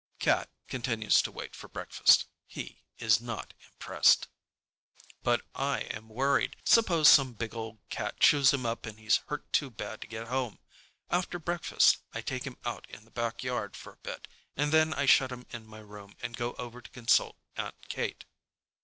Cat continues to wait for breakfast. He is not impressed. But I'm worried. Suppose some big old cat chews him up and he's hurt too bad to get home? After breakfast I take him out in the backyard for a bit, and then I shut him in my room and go over to consult Aunt Kate.